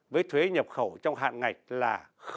với thuế nhập khẩu trong hạn ngạch là